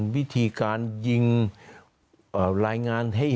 วิธีการยิง